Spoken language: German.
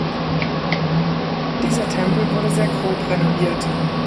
Dieser Tempel wurde sehr grob renoviert.